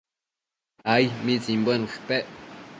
Ai. ¿mitsimbuebi ushpe?